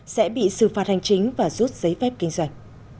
sẽ bị xử phạt hành chính và rút giấy phép kinh doanh